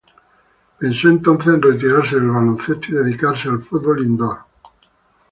Pensó entonces en retirarse del baloncesto y dedicarse al futbol indoor.